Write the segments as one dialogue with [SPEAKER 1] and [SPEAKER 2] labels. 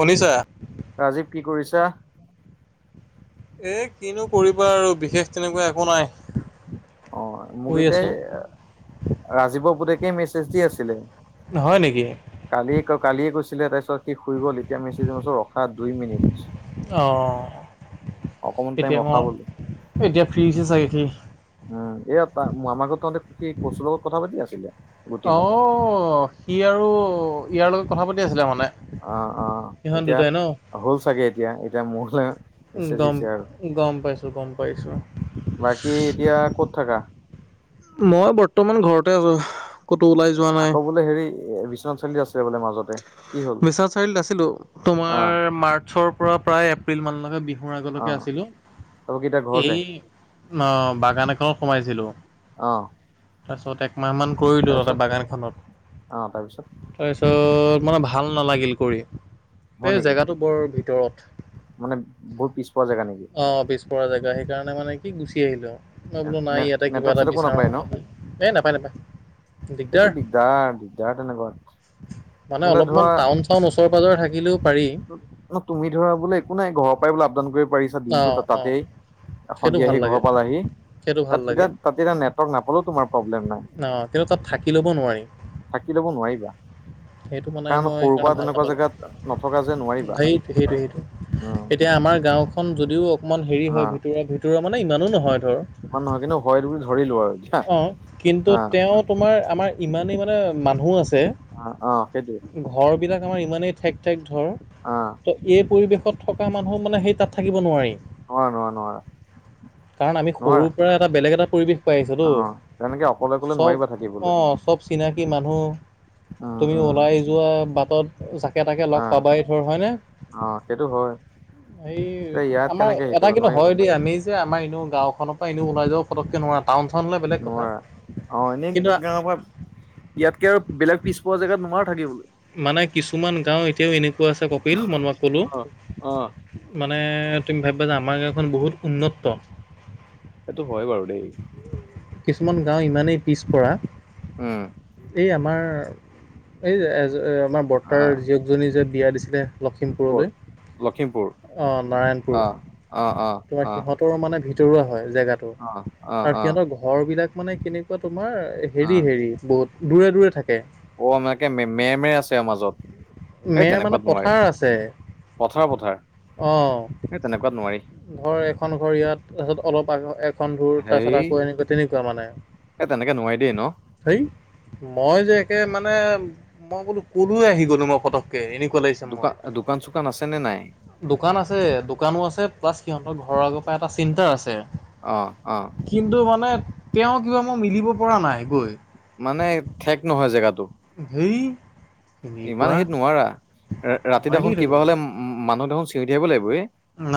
[SPEAKER 1] শুনিছা
[SPEAKER 2] ৰাজীৱ কি কৰিছা?
[SPEAKER 1] এ কিনো কৰিবা আৰু বিশেষ তেনেকুৱা একো নাই।
[SPEAKER 2] অ', মোক
[SPEAKER 1] শুই
[SPEAKER 2] এতিয়া
[SPEAKER 1] আছো।
[SPEAKER 2] ৰাজীৱৰ পুতেকে মেছেজ দি আছিলে।
[SPEAKER 1] হয় নেকি
[SPEAKER 2] কালিয়ে ক কালিয়ে কৈছিলে তাৰপিছত সি শুই গ'ল এতিয়া মেছেজ [unintelligible] ৰখা দুই মিনিট।
[SPEAKER 1] অ',
[SPEAKER 2] অকমান টাইম
[SPEAKER 1] এতিয়া
[SPEAKER 2] ৰখা বোলো।
[SPEAKER 1] মই এতিয়া ফ্ৰী হৈছে চাগে সি।
[SPEAKER 2] উম, এয়া আমাৰ ঘৰত তহঁতে সেই কচুৰ লগত কথা পাতি আছিলি?
[SPEAKER 1] অ', সি আৰু ইয়াৰ লগত কথা পাতি আছিলে মানে।
[SPEAKER 2] অ', অ',
[SPEAKER 1] সিহঁত
[SPEAKER 2] এতিয়া
[SPEAKER 1] দুটাই ন
[SPEAKER 2] হ'ল চাগে এতিয়া। এতিয়া মোৰ
[SPEAKER 1] গম গম পাইছোঁ গম পাইছোঁ।
[SPEAKER 2] বাকী এতিয়া ক'ত থাকা?
[SPEAKER 1] মই বৰ্তমান ঘৰতে আছো। ক'তো ওলাই যোৱা নাই
[SPEAKER 2] আকৌ বোলে হেৰি এ বিশ্বনাথ চাৰিআলি আছে বোলে মাজতে। কি হ'ল?
[SPEAKER 1] বিশ্বনাথ চাৰিআলিত আছিলো
[SPEAKER 2] অ'
[SPEAKER 1] তোমাৰ মাৰ্চৰ পৰা প্ৰায় এপ্ৰিল মানলৈকে বি ৰ আগলৈকে
[SPEAKER 2] অ'
[SPEAKER 1] আছিলো
[SPEAKER 2] তাৰপৰা কি এতিয়া
[SPEAKER 1] এই
[SPEAKER 2] ঘৰতে?
[SPEAKER 1] অ' হেৰি বাগান এখনত সোমাইছিলো।
[SPEAKER 2] অ'।
[SPEAKER 1] তাৰপিছত একমাহ মান কৰিলো তাত
[SPEAKER 2] তাৰপিছত অ' তাৰপিছত
[SPEAKER 1] বাগানখনত। তাৰপিছত মানে ভাল ভাল নালাগিল কৰি
[SPEAKER 2] হয়
[SPEAKER 1] এই
[SPEAKER 2] নেকি?
[SPEAKER 1] জেগাটো বৰ ভিতৰত।
[SPEAKER 2] মানে বহুত পিছ পৰা জেগা নেকি?
[SPEAKER 1] পৰা জেগা সেইকাৰণে মানে কি গুচি আহিলো আৰু মই বোলো
[SPEAKER 2] নে
[SPEAKER 1] নাই ইয়াতে কিবা
[SPEAKER 2] নেটৱৰ্ক
[SPEAKER 1] এটা
[SPEAKER 2] চেটৱৰ্কো
[SPEAKER 1] বিচাৰো
[SPEAKER 2] নাপায় ন?
[SPEAKER 1] আহি। এ নাপায় নাপায়। দিগদাৰ
[SPEAKER 2] সেইটো দিগদাৰ দিগদাৰ তেনেকুৱাত।
[SPEAKER 1] মানে অলপমান টাউন চাউন ওচৰে পাজৰে থাকিলে
[SPEAKER 2] ন তুমি ধৰা বোলে একো নাই ঘৰৰ পৰাই বোলে আপ ডাউন কৰি পাৰিছা দিনটো
[SPEAKER 1] অঁ অঁ
[SPEAKER 2] তাতেই,
[SPEAKER 1] সেইটো
[SPEAKER 2] সন্ধিয়া
[SPEAKER 1] ভাল
[SPEAKER 2] আহি
[SPEAKER 1] লাগে
[SPEAKER 2] ঘৰ পালাহি।
[SPEAKER 1] সেইটো ভাল
[SPEAKER 2] তাত তেতিয়া
[SPEAKER 1] লাগে
[SPEAKER 2] তাত তেতিয়া নেটৱৰ্ক নাপালেও তোমাৰ প্ৰব্লেম নাই।
[SPEAKER 1] অঁ কিন্তু তাত থাকি ল'ব নোৱাৰি
[SPEAKER 2] থাকি ল'ব নোৱাৰিবা।
[SPEAKER 1] সেইটো মানে
[SPEAKER 2] কাৰণ
[SPEAKER 1] মই
[SPEAKER 2] সৰুৰ পৰা
[SPEAKER 1] সেইকাৰণে ভাল
[SPEAKER 2] তেনেকুৱা
[SPEAKER 1] নাপালোঁ।
[SPEAKER 2] জেগাত নথকা যে নোৱাৰিবা
[SPEAKER 1] সেইটো সেইটো সেইটো।
[SPEAKER 2] উম
[SPEAKER 1] এতিয়া আমাৰ গাওঁখন যদিও অকমান হেৰি
[SPEAKER 2] অ
[SPEAKER 1] হয় ভিতৰুৱা ভিতৰুৱা মানে ইমানো নহয়।
[SPEAKER 2] ইমান নহয় কিন্তু হয় তুমি বুলি ধৰিলো আৰু। এতিয়া
[SPEAKER 1] অ', কিন্তু
[SPEAKER 2] অ
[SPEAKER 1] তেওঁ তোমাৰ আমাৰ ইমানেই মানে মানুহ আছে।
[SPEAKER 2] অ', অ', সেইটোৱে।
[SPEAKER 1] বিলাক আমাৰ ইমানেই ঠেক ঠেক ধৰ।
[SPEAKER 2] অ
[SPEAKER 1] ত' এই পৰিৱেশত থকা মানুহ মানে সেই তাত থাকিব নোৱাৰি।
[SPEAKER 2] নোৱাৰে নোৱাৰে নোৱাৰে।
[SPEAKER 1] কাৰণ আমি সৰুৰ পৰা এটা বেলেগ এটা পৰিৱেশ টো,
[SPEAKER 2] অ তেনেকে অকলে অকলে
[SPEAKER 1] চব
[SPEAKER 2] নোৱাৰিবা থাকিবলৈ
[SPEAKER 1] অ' চব চিনাকি মানুহ।
[SPEAKER 2] উম
[SPEAKER 1] তুমি
[SPEAKER 2] উম
[SPEAKER 1] ওলাই যোৱা বাটত একেটাকে লগ
[SPEAKER 2] অ
[SPEAKER 1] পাবাই ধৰ হয়নে?
[SPEAKER 2] অ সেইটো হয়
[SPEAKER 1] এই
[SPEAKER 2] এ ইয়াত
[SPEAKER 1] আমাৰ
[SPEAKER 2] কেনেকে হেৰি
[SPEAKER 1] এটা
[SPEAKER 2] কৰিব
[SPEAKER 1] কিন্তু
[SPEAKER 2] নোৱাৰিবা
[SPEAKER 1] হয় দেই আমি যে আমাৰ এনেও গাওঁখনৰ পৰা এনেও ওলাই যাব ফতকে নোৱাৰা। টাউন চাউন হ'লে বেলেগ কথা
[SPEAKER 2] নোৱাৰা। অ' এনেই [unintelligible]
[SPEAKER 1] কিন্তু
[SPEAKER 2] ইয়াতকে আৰু বেলেগ পিছপৰা জেগাত থাকিবলৈ।
[SPEAKER 1] মানে কিছুমান গাঁও এতিয়াও এনেকুৱা আছে কপিল মই তোমাক ক'লো।
[SPEAKER 2] অ অ
[SPEAKER 1] মানে তুমি ভাবিবা যে আমাৰ গাঁওখন বহুত উন্নত।
[SPEAKER 2] সেইটো হয় বাৰু দেই
[SPEAKER 1] কিছুমান গাঁও ইমানেই পিছপৰা।
[SPEAKER 2] উম।
[SPEAKER 1] এই আমাৰ এই আমাৰ বৰ্তাৰ
[SPEAKER 2] আহ
[SPEAKER 1] জীয়েকজনী যে বিয়া দিছিলে
[SPEAKER 2] ক'ত?
[SPEAKER 1] লখিমপুৰলৈ।
[SPEAKER 2] লখিমপুৰ
[SPEAKER 1] অ', নাৰায়ণপুৰ
[SPEAKER 2] অ অ অ
[SPEAKER 1] তোমাৰ
[SPEAKER 2] অ
[SPEAKER 1] সিহঁতৰ মানে ভিতৰুৱা হয়। জেগাতো
[SPEAKER 2] অ অ অ
[SPEAKER 1] আৰু
[SPEAKER 2] অ
[SPEAKER 1] সিহঁতৰ ঘৰবিলাক মানে কেনেকুৱা তোমাৰ, হেৰি-হেৰি বহুত দূৰে দূৰে থাকে।
[SPEAKER 2] অ', আমাকে মে-মেৰ আছে মাজত। সেই
[SPEAKER 1] মে' মানে
[SPEAKER 2] তেনেকুৱাত নোৱাৰি
[SPEAKER 1] পথাৰ আছে।
[SPEAKER 2] পথাৰ পথাৰ
[SPEAKER 1] অ',
[SPEAKER 2] সেই তেনেকুৱাত নোৱাৰি
[SPEAKER 1] ঘৰ এখন ঘৰ ইয়াত, তাৰপিছত অলপ আগত এখন। [unintelligible]
[SPEAKER 2] হেই
[SPEAKER 1] তাৰপিছত আকৌ এনেকুৱা, তেনেকুৱা মানে।
[SPEAKER 2] এ তেনেকে নোৱাৰি দেই ন
[SPEAKER 1] হেই, মই যে একে মান মানে, মই বোলো কলৈ আহি গ'লো মই ফতক কে, এনেকুৱা লাগিছে মোৰ।
[SPEAKER 2] দোকান দোকান চোকান আছে নে নাই?
[SPEAKER 1] দোকান আছে, দোকানো আছে প্লাছ সিহঁতৰ ঘৰৰ আগৰ পৰা এটা চিন্তা আছে।
[SPEAKER 2] অহ, অহ।
[SPEAKER 1] কিন্তু মানে তেওঁ, কিবা মই মিলিব পৰা নাই? গৈ
[SPEAKER 2] মানে, ঠেক নহয় জেগাটো।
[SPEAKER 1] হেই
[SPEAKER 2] ইমান
[SPEAKER 1] এনেকুৱা
[SPEAKER 2] হেত নোৱাৰা, ৰা-ৰাতি
[SPEAKER 1] মই দি
[SPEAKER 2] দেখোন
[SPEAKER 1] থাকিব
[SPEAKER 2] কিবা হলে মানুহ দেখোন চিঞৰি থাহিব লাগিব এ।
[SPEAKER 1] ন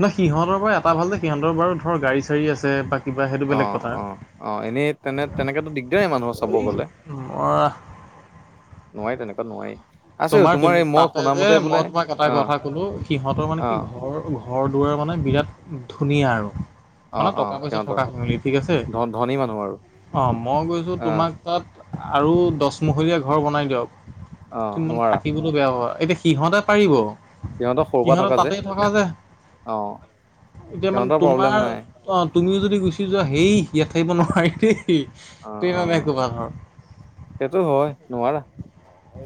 [SPEAKER 1] ন সিহঁতৰ পৰা এটা ভাল যে সিহঁতৰ বাৰু ধৰ গাড়ী চাড়ী আছে, বা কিবা সেইটো বেলেগ
[SPEAKER 2] অ',
[SPEAKER 1] কথা
[SPEAKER 2] অ'। অ', এনেই তেনে তেনেকেতো দিগদাৰেই মানুহৰ চাব
[SPEAKER 1] এই
[SPEAKER 2] গ'লে
[SPEAKER 1] নোৱাৰা।
[SPEAKER 2] নোৱাৰি, তেনেকুৱা নোৱেৰি।
[SPEAKER 1] তোমাৰ কিন্তু তাতে যে, মই তোমাক এটা
[SPEAKER 2] অ
[SPEAKER 1] কথা কলো সিহঁতৰ মানে
[SPEAKER 2] অ
[SPEAKER 1] কি ঘৰৰ ঘৰ-দুৱাৰ মানে, বিৰাট ধুনীয়া আৰু।
[SPEAKER 2] অ
[SPEAKER 1] মানে
[SPEAKER 2] অ
[SPEAKER 1] টকা পইচা
[SPEAKER 2] সিহঁতৰ
[SPEAKER 1] থকা, মিলি ঠিক আছে?
[SPEAKER 2] ধ ধনী মানুহ আৰু
[SPEAKER 1] অ', মই গৈছো
[SPEAKER 2] অ
[SPEAKER 1] তোমাক তাত আৰু দচমহলীয়া ঘৰ বনাই দিয়ক,
[SPEAKER 2] অ
[SPEAKER 1] [unintelligible]
[SPEAKER 2] নোৱাৰা
[SPEAKER 1] থাকিবলে বেয়া হয়। এতিয়া সিহঁতে পাৰিব,
[SPEAKER 2] সিহঁতৰ সৰু পৰা
[SPEAKER 1] সিহঁতে
[SPEAKER 2] যে
[SPEAKER 1] তাতেই থকা যে।
[SPEAKER 2] অ
[SPEAKER 1] এতিয়া মানে
[SPEAKER 2] সিহঁতৰ প্ৰব্লেম
[SPEAKER 1] তোমাৰ,
[SPEAKER 2] নাই
[SPEAKER 1] [unintelligible] তুমিও যদি গুচি যোৱা, হেই ইয়াত থাকিব নোৱাৰি।
[SPEAKER 2] অ অ সেইটো হয় নোৱাৰা
[SPEAKER 1] [unintelligible]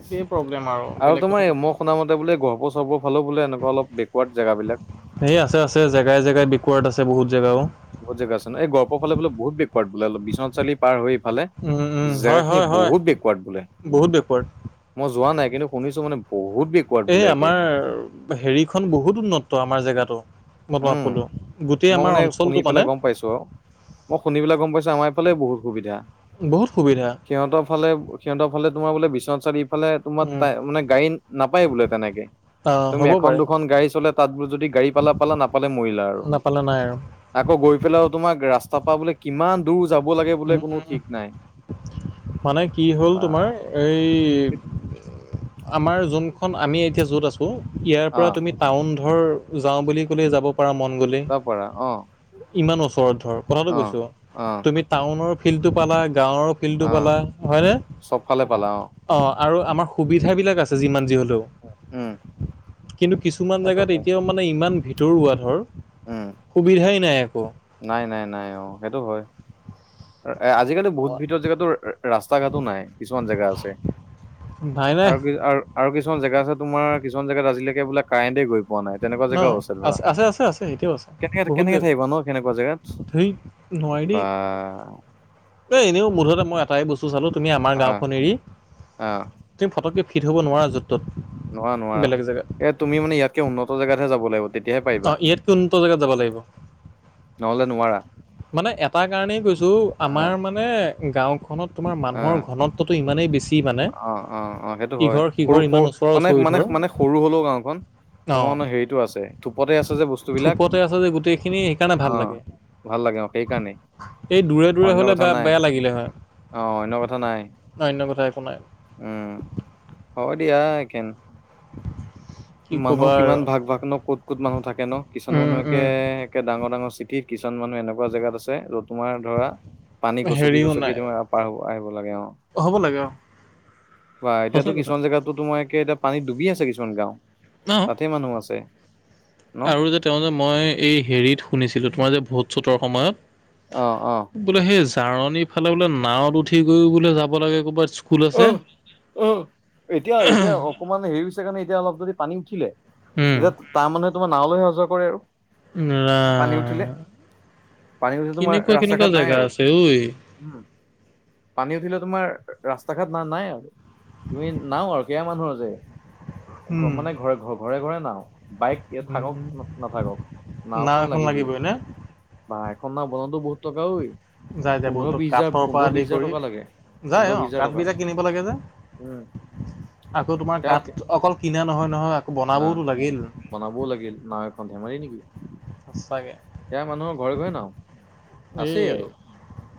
[SPEAKER 1] একেই প্ৰবলেম
[SPEAKER 2] আৰু তোমাৰ মই শুনা মতে বোলে, গৰ্ব চৰ্বৰ ফালেও বোলে এনেকুৱা অলপ বেকৱাৰ্ড জেগাবিলাক?
[SPEAKER 1] হেই আছে, আছে জেগাই জেগাই বেকৱাৰ্ড আছে বহুত। জেগাও
[SPEAKER 2] বহুত জেগা আছে নহ, এই গহপুৰ ফালে বোলে বহুত বেকৱাৰ্ড বোলে বিশ্বনাথ চাৰিআলি পাৰ হৈ ফালে,
[SPEAKER 1] উম উম
[SPEAKER 2] জেগা
[SPEAKER 1] হয়
[SPEAKER 2] খিনি
[SPEAKER 1] হয় হয়
[SPEAKER 2] বহুত বেকৱাৰ্ড বোলে?
[SPEAKER 1] বহুত বেকৱাৰ্ড
[SPEAKER 2] মই যোৱা নাই। কিন্তু, শুনিছো মানে বহুত বেকৱাৰ্ড
[SPEAKER 1] এ
[SPEAKER 2] বোলে একে।
[SPEAKER 1] আমাৰ হেৰিখন বহুত উন্নত, আমাৰ জেগাটো মই তোমাক
[SPEAKER 2] উম,
[SPEAKER 1] কলো। গোটেই
[SPEAKER 2] মই
[SPEAKER 1] আমাৰ
[SPEAKER 2] মানে, শুনি
[SPEAKER 1] অঞ্চলটো মানে
[SPEAKER 2] পেলাই গম পাইছো। মই শুনি পেলাই গম পাইছো, আমাৰ এইফালে বহুত সুবিধা।
[SPEAKER 1] বহুত সুবিধা
[SPEAKER 2] সিহঁতৰ ফালে, সিহঁতৰ ফালে তোমাৰ বোলে বিশ্বনা সেইফালে তোমাৰ,
[SPEAKER 1] উম
[SPEAKER 2] তাই মানে গাড়ী নাপায় বোলে তেনেকে?
[SPEAKER 1] অ
[SPEAKER 2] তুমি
[SPEAKER 1] হ'ব
[SPEAKER 2] এখন
[SPEAKER 1] পাৰে
[SPEAKER 2] দুখন গাড়ী চলে, তাত [unintelligible] যদি গাড়ী পালা পালা নাপালে মৰিলা আৰু,
[SPEAKER 1] নাপালে নাই আৰু
[SPEAKER 2] আকৌ গৈ পেলাই আৰু তোমাক ৰাস্তা পৰা বোলে কিমান দূৰ যাব লাগে বোলে
[SPEAKER 1] উম
[SPEAKER 2] কোনো ঠিক নাই?
[SPEAKER 1] মানে, কি হ'ল
[SPEAKER 2] বা
[SPEAKER 1] তোমাৰ এই আমাৰ যোনখন আমি এতিয়া য'ত আছো, ইয়াৰ পৰা
[SPEAKER 2] অ'
[SPEAKER 1] তুমি টাউন ধৰ, যাওঁ বুলি ক'লে যাব পাৰা মন গ'লে
[SPEAKER 2] [unintelligible] পৰা অ'।
[SPEAKER 1] ইমান ওচৰত ধৰ, কথাটো
[SPEAKER 2] অ'
[SPEAKER 1] কৈছো।
[SPEAKER 2] অ'
[SPEAKER 1] তুমি টাউনৰ ফিল্ডটো পালা, গাঁৱৰ ফিল্ড [unintelligible]
[SPEAKER 2] অ'
[SPEAKER 1] পালা হয়নে?
[SPEAKER 2] চবফালে পালা
[SPEAKER 1] অ'। আৰু আমাৰ সুবিধাবিলাক আছে, যিমান যি হ'লেও।
[SPEAKER 2] উম
[SPEAKER 1] কিন্তু কিছুমান
[SPEAKER 2] সেইটো
[SPEAKER 1] জেগাত
[SPEAKER 2] হয়।
[SPEAKER 1] এতিয়াও মানে ইমান ভিতৰুৱা ধৰ,
[SPEAKER 2] উম,
[SPEAKER 1] সুবিধাই নাই। একো
[SPEAKER 2] নাই, নাই, নাই। অ', সেইটো হয়। এ আজিকালি বহুত ভিতৰৰ জেগাতো ৰাস্তা ঘাটো নাই, কিছুমান জেগা আছে।
[SPEAKER 1] নাই নাই
[SPEAKER 2] আৰু কি আৰু কিছুমান জেগা আছে তোমাৰ কিছুমান জেগাত আজিলৈকে বোলে কাৰেণ্টে গৈ পোৱা নাই তেনেকুৱা
[SPEAKER 1] ন
[SPEAKER 2] জেগাও আছে ধৰা
[SPEAKER 1] আছে আছে এতিয়াও আছে
[SPEAKER 2] কেনেকে
[SPEAKER 1] বহুত
[SPEAKER 2] কেনেকে
[SPEAKER 1] জেগা
[SPEAKER 2] থাকিব ন কেনেকুৱা জেগাত
[SPEAKER 1] ধেই
[SPEAKER 2] ব
[SPEAKER 1] এ এনেও মুঠতে মই এটাই বস্তু চালো তুমি আমাৰ
[SPEAKER 2] আহ
[SPEAKER 1] গাঁওখন এৰি
[SPEAKER 2] আহ
[SPEAKER 1] তুমি ফটো থ'ব নোৱাৰা ত'ত
[SPEAKER 2] নোৱা নোৱাৰা
[SPEAKER 1] বেলেগ জেগাত
[SPEAKER 2] এ তুমি মানে, ইয়াতকে উন্নত জেগাতহে যাব লাগিব তেতিয়াহে পাৰিবা
[SPEAKER 1] আহ ইয়াতকৈ উন্নত জেগাত যাব লাগিব-
[SPEAKER 2] নহ'লে নোৱাৰা।
[SPEAKER 1] মানে, এটা কাৰণেই কৈছো
[SPEAKER 2] আহ
[SPEAKER 1] আমাৰ মানে, গাওখন ত তোমাৰ মানুহৰ
[SPEAKER 2] আহ
[SPEAKER 1] ঘনত্বতো ইমানেই বেছি মানে
[SPEAKER 2] অ অ
[SPEAKER 1] ইঘৰ সিঘৰ ইমান ওচৰৰ ওৰি
[SPEAKER 2] মান মানে সৰু হ'লেও গাওখন- তোমাৰ মানে, হেৰিতটো আছে থোপতে আছে যে বস্তুবলাক
[SPEAKER 1] থোপতে আছে যে গোটেইখিনি সেইকাৰণে ভাল
[SPEAKER 2] অ',
[SPEAKER 1] লাগে
[SPEAKER 2] - ভাল লাগে ম সেই কাৰণেই
[SPEAKER 1] এই দূৰে দূৰে
[SPEAKER 2] অন্য
[SPEAKER 1] হ'লে
[SPEAKER 2] কথা
[SPEAKER 1] বেয়া
[SPEAKER 2] নাই
[SPEAKER 1] বেয়া লাগিলে হয়
[SPEAKER 2] আহ অন্য কথা নাই
[SPEAKER 1] অন্য কথা একো নাই
[SPEAKER 2] উম, হ' দিয়া কেন
[SPEAKER 1] কি
[SPEAKER 2] মানুহ
[SPEAKER 1] ক'বা আৰু
[SPEAKER 2] কিমান ভাগ ভাগ ন, ক'ত ক'ত মানুহ থাকে ন, কিছুমান
[SPEAKER 1] উম
[SPEAKER 2] মানুহকে
[SPEAKER 1] উম
[SPEAKER 2] একে ডাঙৰ ডাঙৰ চিঠিত কিছমান মানুহ এনেকুৱা জেগাত আছে য তোমাৰ ধৰা পানী গছকি
[SPEAKER 1] হেৰিও
[SPEAKER 2] গছকি
[SPEAKER 1] নাই
[SPEAKER 2] তোমাৰ পাৰ আহিব লাগে অ',
[SPEAKER 1] হ'ব লাগে অঁ
[SPEAKER 2] বা এতিয়াতো
[SPEAKER 1] সঁচা কথা
[SPEAKER 2] কিছুমান জেগাতো তোম এতিয়া পানীত ডুবি আছে কিছুমান গাঁও
[SPEAKER 1] অঁ
[SPEAKER 2] তাতে মানুহ আছে ন?
[SPEAKER 1] আৰু যে তেওঁ যে মই, এই হেৰিত শুনিছিলোঁ তোমাৰ যে ভোট চোটৰ সময়ত
[SPEAKER 2] আহ, আহ,
[SPEAKER 1] কাৰনীফালে বোলে নাৱত উঠি গৈ বোলে যাব লাগে ক'ৰবাত স্কুল
[SPEAKER 2] উ,
[SPEAKER 1] আছে।
[SPEAKER 2] উ, এতিয়া এতিয়া অকমান হেৰি হৈছে কাৰণে এতিয়া অলপ যদি পানী উঠিলে।
[SPEAKER 1] উম
[SPEAKER 2] তেতিয়া তাৰ মানুহে তোমাৰ নাৱলৈহে সহৰ কৰে আৰু।
[SPEAKER 1] ন।
[SPEAKER 2] পানী উঠিলে। পানী গছ তোমাৰ ৰাস্তা ঘাট নাই আৰু
[SPEAKER 1] ঐ।
[SPEAKER 2] উম। পানী উঠিলে তোমাৰ ৰাস্তা ঘাট না নাই আৰু তুমি নাও আৰু কেইয়া মানুহৰ যে। ঘ
[SPEAKER 1] উম
[SPEAKER 2] মানে, ঘৰে ঘ ঘৰে ঘৰে নাও। বাইক থাকক
[SPEAKER 1] উম
[SPEAKER 2] নাথাকক
[SPEAKER 1] নাও
[SPEAKER 2] নাওখন
[SPEAKER 1] এখন
[SPEAKER 2] লাগিবই
[SPEAKER 1] নে?
[SPEAKER 2] ব। খনা বনন্তো বহত টকা [unintelligible]
[SPEAKER 1] যাই যাই
[SPEAKER 2] পোন্ধৰ
[SPEAKER 1] বহুতো
[SPEAKER 2] বিশ হাজাৰ
[SPEAKER 1] কাঠৰ পৰা
[SPEAKER 2] পোন্ধৰ
[SPEAKER 1] আদি
[SPEAKER 2] বিশ হাজাৰ
[SPEAKER 1] কৰি
[SPEAKER 2] টকা লাগে
[SPEAKER 1] যাই
[SPEAKER 2] পোন্ধৰ
[SPEAKER 1] অ',
[SPEAKER 2] বিশ হাজাৰ
[SPEAKER 1] কাঠ
[SPEAKER 2] টকা
[SPEAKER 1] বিটা কিনিব লাগে যে।
[SPEAKER 2] উম
[SPEAKER 1] আকৌ তোমাৰ গত অকল কিনা নহয়। নহয় আকৌ
[SPEAKER 2] আহ
[SPEAKER 1] বনাবওতো লাগিল।
[SPEAKER 2] বনাবও লাগিল নাও এখন ধেমালি নেকি।
[SPEAKER 1] সঁচাকে
[SPEAKER 2] এয়া মানুহৰ ঘৰে ঘৰে নাও
[SPEAKER 1] এই
[SPEAKER 2] আছেই আৰু।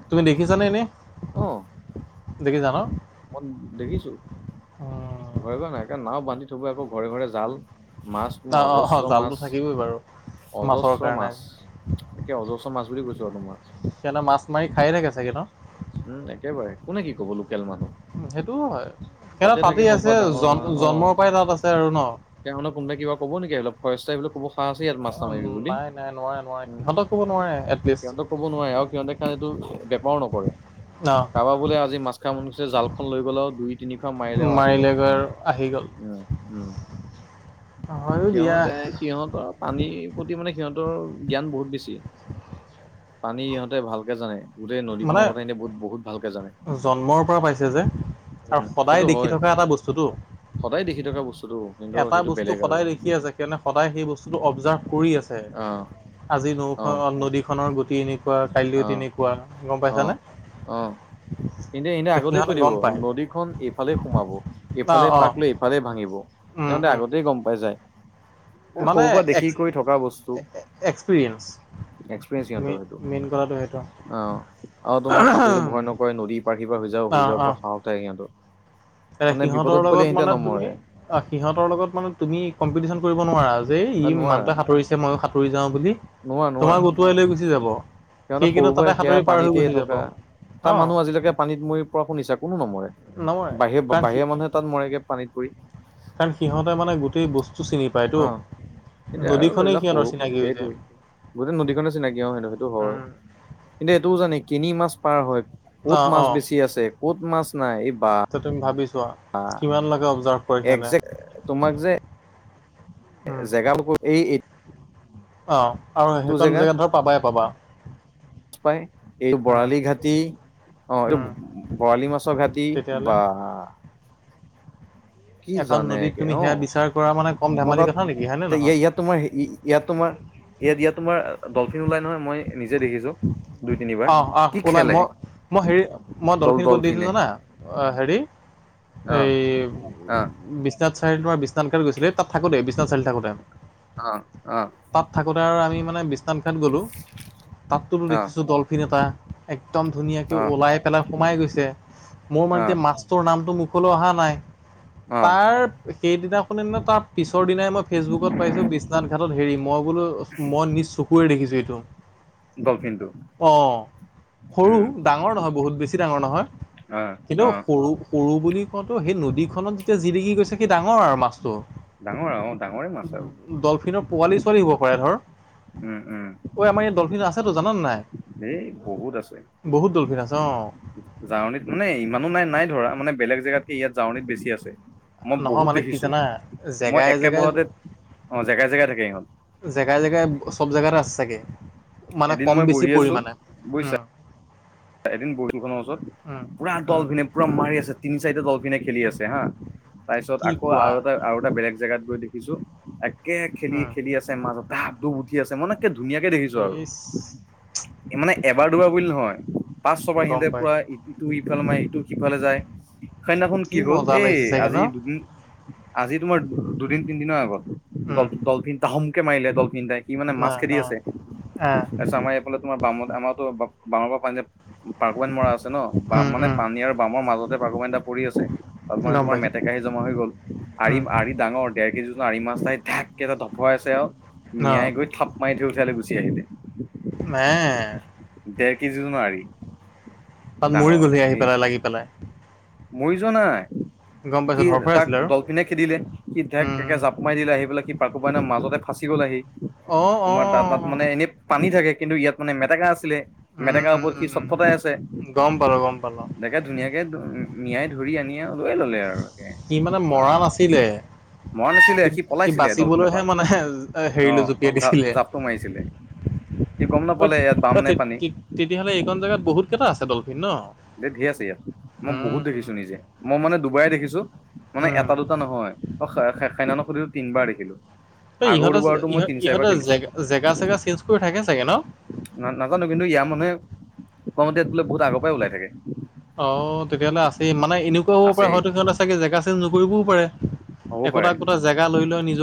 [SPEAKER 1] তুমি দেখিছানে এনেই
[SPEAKER 2] আহ,
[SPEAKER 1] দেখিছা ন
[SPEAKER 2] ঘৰে ঘৰে নাই নাও বান্ধি থব আকৌ ঘৰে ঘৰে জাল। মাছ
[SPEAKER 1] অ অ অ
[SPEAKER 2] অজস্ৰ
[SPEAKER 1] জালটো
[SPEAKER 2] মাছ
[SPEAKER 1] থাকিবই বাৰু মাছৰ
[SPEAKER 2] অজস্ৰ
[SPEAKER 1] কাৰণে
[SPEAKER 2] মাছ। একে অজস্ৰ মাছ বুলি কৈছো আৰু তোমাৰ
[SPEAKER 1] সিহঁতে মাছ মাৰি খায়ে থাকে চাগে ন?
[SPEAKER 2] উম একেবাৰে কোনে কি ক'ব লোকেল মানুহ।
[SPEAKER 1] উ সেইটোও হয়। সিহঁতৰ
[SPEAKER 2] তাতে থাকে
[SPEAKER 1] তাতেই
[SPEAKER 2] সৰু
[SPEAKER 1] আছে
[SPEAKER 2] পৰা ডাঙৰ
[SPEAKER 1] জন
[SPEAKER 2] হোৱা অ',
[SPEAKER 1] জন্মৰ পৰাই তাত আছে আৰু ন
[SPEAKER 2] তেওঁকনো কোনোবাই কিবা কব নেকি অলপ [unintelligible] এইিলাক ক'ব। চ আছে ইয়াত মাছ না
[SPEAKER 1] উম,
[SPEAKER 2] মাৰিবি বুলি
[SPEAKER 1] নাই নাই নোৱাৰে নোৱাৰে
[SPEAKER 2] উ
[SPEAKER 1] সিহঁতক ক'ব নোৱাৰে এটলিষ্ট
[SPEAKER 2] সিহঁতে ক'ব নোৱাৰে আৰু সিহঁতেৰ কাৰানটো। বেপাৰ নকৰে
[SPEAKER 1] ন
[SPEAKER 2] কাৰোবাৰ বোলে আজি মাছখা মানে জাল খ লৈ গলেও দুই তিনিশ মাইলেও আহিলে
[SPEAKER 1] মাৰিলেগৈ আৰু আহি গ'ল
[SPEAKER 2] উ
[SPEAKER 1] হয়ো দিয়া
[SPEAKER 2] সিহতে সিহঁতৰ পানীৰ প্ৰতি মানে সিহঁতৰ জ্ঞান বহুত বেছি, পানী সিহঁতে ভালকে জানে গোটেই
[SPEAKER 1] মানে
[SPEAKER 2] নদীখনৰ কথা এনে বুত বহুত ভালকে জানে।
[SPEAKER 1] জন্মৰ পৰা পাইছে যে আৰু
[SPEAKER 2] উম
[SPEAKER 1] সদায়
[SPEAKER 2] সেইটো
[SPEAKER 1] দেখি
[SPEAKER 2] হয়
[SPEAKER 1] থকা এটা বস্তুতটো
[SPEAKER 2] সদায় দেখি থকা বস্তুটো কিন্তু
[SPEAKER 1] এটা
[SPEAKER 2] সেইটো
[SPEAKER 1] বস্তু
[SPEAKER 2] বেলেগ আৰু
[SPEAKER 1] সদায় দেখি আছে কে সদায় সেই বস্তুটো অবজাৰ্ভ কৰি আছে।
[SPEAKER 2] অ',।
[SPEAKER 1] আজি নৌ,
[SPEAKER 2] অ',
[SPEAKER 1] নদীখনৰ গুটি এনেকুৱা কাইলৈ তেনেকুৱা গম
[SPEAKER 2] আহ,
[SPEAKER 1] পাইছানে
[SPEAKER 2] আহ। এনেয়া এনেই
[SPEAKER 1] ত
[SPEAKER 2] আগতে কৈ
[SPEAKER 1] সিহঁতে
[SPEAKER 2] দিব
[SPEAKER 1] গম পায়
[SPEAKER 2] নদীখন এইফালে সোমাব
[SPEAKER 1] অ
[SPEAKER 2] এইফালে
[SPEAKER 1] অ
[SPEAKER 2] পাক লৈ এইফালে ভাঙিব।
[SPEAKER 1] উম
[SPEAKER 2] সিহঁতে
[SPEAKER 1] উম
[SPEAKER 2] আগতেই গম পাই যায়। এ,
[SPEAKER 1] মানে
[SPEAKER 2] সৰু পৰা দেখি
[SPEAKER 1] এক্স
[SPEAKER 2] কৰি থকা বস্তু।
[SPEAKER 1] এক্সপিৰিয়েঞ্চ
[SPEAKER 2] এক্সপৰিয়েঞ্চ
[SPEAKER 1] মে
[SPEAKER 2] সিহতৰ সেইটো
[SPEAKER 1] মেইন কথাটো সেইটো
[SPEAKER 2] অ',। আৰু তোমাৰ সাঁতৰিলো ভয় নকৰে নদীৰ পাৰ্থিৰ পৰা হৈ যা হৈ যাাব পৰা হাহ উঠে সিহঁৰ
[SPEAKER 1] এ সিহঁতৰ লগত মানে তুমি অ সিহঁতৰ লগত মানে তুমি কম্পিটিশন কৰিব নোৱাৰা আজ যে
[SPEAKER 2] এ
[SPEAKER 1] ই
[SPEAKER 2] নোৱাৰা
[SPEAKER 1] মানুহ সাঁতুৰিছে মইয়ো সাঁতুৰি যাও বুলি
[SPEAKER 2] নোৱাৰা নোৱাৰা
[SPEAKER 1] তোমাৰ গটুৱাই লৈ গুচি যাব। সি
[SPEAKER 2] সিহঁতে সৰু
[SPEAKER 1] কিন্তু তাতে
[SPEAKER 2] পৰা সেয়া
[SPEAKER 1] সাঁতুৰি পাৰ হৈ
[SPEAKER 2] পানীতেই
[SPEAKER 1] গুচি যাব
[SPEAKER 2] থকা তাৰ
[SPEAKER 1] অ
[SPEAKER 2] মানুহ আজিলৈকে পানীত মৰি পৰা শুনিছা কোনো নমৰে।
[SPEAKER 1] নমৰে
[SPEAKER 2] বাহিৰ,
[SPEAKER 1] কাৰণ সি
[SPEAKER 2] বাহিৰ মানুহে তাত মৰেগে পানীত পৰি
[SPEAKER 1] কাৰণ সিহঁতে মানে গোটেই বস্তু চিনি পায়তো।
[SPEAKER 2] অ এতিয়া আৰু
[SPEAKER 1] নদীখনেই
[SPEAKER 2] এইবিলাক সৰু
[SPEAKER 1] সিহঁতৰ চিনাকি হৈ যায়।
[SPEAKER 2] সেইটোৱে গোটেই নদীখনে চিনাকি হয় সিটো, সেইটো হয়
[SPEAKER 1] উম
[SPEAKER 2] কিন্তু এইটোও জানে তিনি মাছ পাৰ হয়। কত
[SPEAKER 1] অ
[SPEAKER 2] মাছ
[SPEAKER 1] অ
[SPEAKER 2] বেছি আছে ক'ত মাছ নাই এই বা
[SPEAKER 1] তুমি ভাবিছোৱা কিমান লাগে অবজাৰ্ভ কৰি
[SPEAKER 2] একজেক্ট তোমাক
[SPEAKER 1] সনে
[SPEAKER 2] যে [unintelligible]
[SPEAKER 1] অ, আৰু সেইখন জেগাত ধৰ পাবাই পাবা।
[SPEAKER 2] পাই এই
[SPEAKER 1] উম
[SPEAKER 2] বৰালি ঘাটি অ, এই
[SPEAKER 1] উম
[SPEAKER 2] বৰালি মাছৰ ঘাটি,
[SPEAKER 1] তেতিয়াহ'লে
[SPEAKER 2] বা কি
[SPEAKER 1] এখন
[SPEAKER 2] জানে
[SPEAKER 1] নদীত
[SPEAKER 2] একে,
[SPEAKER 1] তুমি
[SPEAKER 2] অ,
[SPEAKER 1] সেয়া বিচাৰ কৰা মানে কম
[SPEAKER 2] মই
[SPEAKER 1] ধেমালি
[SPEAKER 2] তাত
[SPEAKER 1] কথা নেকি হয়নে নহয়?
[SPEAKER 2] ইয়া-ইয়া-ইয়াত তোমাৰ ইয়াত তোমাৰ ইয়াত, ইয়াত তোমাৰ ডলফিন ওলাই নহয় মই নিজে দেখিছো৷ দুই তিনিবাৰ
[SPEAKER 1] অ', অ',
[SPEAKER 2] কি
[SPEAKER 1] ওলাই
[SPEAKER 2] খেলে
[SPEAKER 1] মই-মই হেৰি মই
[SPEAKER 2] ডল
[SPEAKER 1] ডলফিন ক'ত দেখিছোঁ
[SPEAKER 2] ডলফিনে
[SPEAKER 1] জানা? হয়, অ, হেৰি
[SPEAKER 2] অ
[SPEAKER 1] এই
[SPEAKER 2] অ
[SPEAKER 1] বিশ্বনাথ চাৰিআলি তোমাৰ বিশ্বনাথ [unintelligible] থাকোতে বিশ্বনাথ চাৰি থাকোতে,
[SPEAKER 2] অ', অ',
[SPEAKER 1] তাত থাকোতে। আমি মানে বিশ্বনাথ ঘাট গ'লো, তাতটোতো
[SPEAKER 2] অ',
[SPEAKER 1] দেখিছোঁ ডলফিন এটা একদম ধুনীয়াকে ওলাই পেলাই সোমাই গৈছে, মোৰ মানে এতিয়া
[SPEAKER 2] অ',
[SPEAKER 1] মাছটোৰ নামটো মুখলৈ অহা নাই৷
[SPEAKER 2] অ',
[SPEAKER 1] তাৰ সেইদিনাখনে নো তাৰ পিছৰ দিনাই মই ফেচবুকত পাইছোঁ বিশ্বনাথ ঘাটত হেৰি মই বোলো মই নিজ চকুৰে দেখিছোঁ এইটো
[SPEAKER 2] ডলফিনটো
[SPEAKER 1] অ, সৰু,
[SPEAKER 2] উম,
[SPEAKER 1] ডাঙৰ নহয়, বহুত বেছি ডাঙৰ নহয়৷
[SPEAKER 2] অ',
[SPEAKER 1] কিন্তু
[SPEAKER 2] অ',
[SPEAKER 1] সৰু সৰু বুলি কওঁতো সেই নদীখনত যেতিয়া জিলিকি গৈছে সি ডাঙৰ আৰু৷ অ,
[SPEAKER 2] ডাঙৰ অ', ডাঙৰে মাছ আৰু
[SPEAKER 1] ডলফিনৰ পোৱালি চোৱালি হ'ব পাৰে ধৰ৷
[SPEAKER 2] উম,
[SPEAKER 1] ঐ আমাৰ ইয়াত ডলফিন আছেতো জাননে নাই?
[SPEAKER 2] এ, বহুত আছে৷
[SPEAKER 1] বহুত ডলফিন আছে অ',
[SPEAKER 2] জাৱনিত মানে ইমানো নাই নাই ধৰা মানে বেলেগ জেগাতকে ইয়াত জাৱনিত বেছি আছে৷ মই
[SPEAKER 1] নহয়
[SPEAKER 2] বহুত
[SPEAKER 1] মানে কি
[SPEAKER 2] দেখিছো৷
[SPEAKER 1] জানা
[SPEAKER 2] মই
[SPEAKER 1] জেগাই জেগাই
[SPEAKER 2] একেবহতে অ, জেগাই, জেগাই থাকে ইহঁত৷
[SPEAKER 1] সব জেগাতে আছে চাগে, মানে
[SPEAKER 2] এদিন
[SPEAKER 1] কম
[SPEAKER 2] মই
[SPEAKER 1] বেছি
[SPEAKER 2] বহি আছো
[SPEAKER 1] পৰিমাণে উ
[SPEAKER 2] বুজিছা এদিন [unintelligible] ত, পুৰা
[SPEAKER 1] উম,
[SPEAKER 2] ডলফিনে পুৰা
[SPEAKER 1] উম,
[SPEAKER 2] মাৰি আছে তিনি, চাৰিটা ডলফিনে খেলি আছে হা তাৰ পিছত
[SPEAKER 1] কি
[SPEAKER 2] আকৌ
[SPEAKER 1] কোৱা?
[SPEAKER 2] আৰু এটা আৰু এটা বেলেগ জেগাত গৈ দেখি খিছো একে
[SPEAKER 1] উম,
[SPEAKER 2] খেলি-খেলি আছে মানুহ, ধাপ-ধুপ উঠি আছে মানে একে ধুনীয়াকে দেখিছো আৰু৷
[SPEAKER 1] ইচ
[SPEAKER 2] মানে এবাৰ-দুবাৰ বুলি নহয় পাঁচ-ছবাৰ
[SPEAKER 1] গম
[SPEAKER 2] সিহঁতে পুৰা
[SPEAKER 1] পাইছোঁ।
[SPEAKER 2] ইটো ইফালে মাৰে, ইটো সিফালে যায় সেইনাখন কি হল,
[SPEAKER 1] মজা
[SPEAKER 2] এই
[SPEAKER 1] লাগিছে চাগে ন?
[SPEAKER 2] আজি [unintelligible] আজি তোমাৰ দুদিন, তিনিদিনৰ আগত,
[SPEAKER 1] উম,
[SPEAKER 2] ডল-ডলফিন এটা ধমকে মাৰিলে ডলফিন এটাই সি মানে
[SPEAKER 1] আ,
[SPEAKER 2] মাছ খেদি
[SPEAKER 1] আ,
[SPEAKER 2] আছে,
[SPEAKER 1] আ।
[SPEAKER 2] তাৰপিছত আমাৰ এইফালে তোমাৰ বাম আমাৰতো বামৰ পৰা পানী। পাৰ্কমাইন মৰা আছে ন? বাম
[SPEAKER 1] উম,
[SPEAKER 2] মানে
[SPEAKER 1] উম,
[SPEAKER 2] পানী আৰু বামৰ মাজতে পাৰ্কমাইন এটা পৰি আছে৷ তাতমানে
[SPEAKER 1] গম
[SPEAKER 2] তোমাৰ
[SPEAKER 1] পাইছোঁ।
[SPEAKER 2] মেটেকাহি জমা হৈ গ'ল, আৰি,
[SPEAKER 1] উম,
[SPEAKER 2] আৰি ডাঙৰ দেৰ কেজি ওজনৰ। আৰি মাছ এটাই ঢেক এটা ধফাই আছে আৰু।
[SPEAKER 1] অ',
[SPEAKER 2] মিঞাই গৈ থাপ মাৰি থৈ উঠালৈ গুচি আহিলে৷
[SPEAKER 1] মে
[SPEAKER 2] দেৰ কেজি ওজনৰ আৰি৷
[SPEAKER 1] তাত মৰি
[SPEAKER 2] ডাঙৰ
[SPEAKER 1] গ'লহি আহি
[SPEAKER 2] এই
[SPEAKER 1] পেলাই লাগি পেলাই৷
[SPEAKER 2] মৰি যোৱা নাই৷
[SPEAKER 1] গম
[SPEAKER 2] কি
[SPEAKER 1] পাইছোঁ ধৰফৰাই
[SPEAKER 2] তাক
[SPEAKER 1] আছিলে আৰু
[SPEAKER 2] ডলফিনে খেদিলে, কি
[SPEAKER 1] উম,
[SPEAKER 2] ধেক-ধেককে জাপ মাৰি দিলে আহি পেলাই সি। কো পাই ন মাজতে ফাচি গ'ল আহি,
[SPEAKER 1] অ',
[SPEAKER 2] তোমাৰ তাৰ তাত মানে
[SPEAKER 1] অ'।
[SPEAKER 2] এনে পানী থাকে৷ কিন্তু ইয়াত মানে মেটেকা আছিলে,
[SPEAKER 1] উম,
[SPEAKER 2] মেটেকা
[SPEAKER 1] উম,
[SPEAKER 2] ওপৰত সি
[SPEAKER 1] উম, উম,
[SPEAKER 2] চট্‌ফটাই আছে,
[SPEAKER 1] গম পালোঁ, গম পালোঁ।
[SPEAKER 2] দেখাত ধুনীয়াক মিঞাই ধৰি আনি আৰু লৈ ল'লে আৰু। তাকে
[SPEAKER 1] সি মানে
[SPEAKER 2] বা
[SPEAKER 1] মৰা নাছিলে৷
[SPEAKER 2] মৰা নাছিলে
[SPEAKER 1] সি, সি
[SPEAKER 2] পলাইছিলে ডলফিনৰ
[SPEAKER 1] বাচিবলৈহে
[SPEAKER 2] পৰা
[SPEAKER 1] মানে
[SPEAKER 2] অ
[SPEAKER 1] হেৰিলে জপিয়াই
[SPEAKER 2] জা
[SPEAKER 1] দিছিলে৷
[SPEAKER 2] জাপটো মাৰিছিলে সি গম নাপালে ইয়াত বাম নাই পানী
[SPEAKER 1] তে-তে-তেতিয়াহ'লে এইখন জোগাত বহুত কেইটা আছে ডলফিন ন?
[SPEAKER 2] ইয়াত ধেই আছে ইয়াত মো বহুত
[SPEAKER 1] উম।
[SPEAKER 2] দেখিছোঁ নিজে, মই মানে দুবাই দেখিছোঁ মানে
[SPEAKER 1] উম,
[SPEAKER 2] এটা দুটা নহয় অ তিনবাৰ দেখিলোঁ৷
[SPEAKER 1] ইহঁতে, ইহঁতে জ-জেগা চেগা চেঞ্জ কৰি থাকে চাগে ন?
[SPEAKER 2] না-নাজানো কিন্তু ইয়াৰ মানুহে কওঁতে বোলে বহুত আগৰ পৰাই ওলাই থাকে৷
[SPEAKER 1] অ', তেতিয়াহ'লে আছে, মানে এনেকুৱা হ'ব পাৰে
[SPEAKER 2] আছেই
[SPEAKER 1] হয়তো সিহঁততে চাগে জেগা চেঞ্জ নকৰিবও পাৰে।
[SPEAKER 2] হ'ব
[SPEAKER 1] একোটা,
[SPEAKER 2] পাৰে
[SPEAKER 1] একোটা জেগা লৈ, লৈ নিজৰ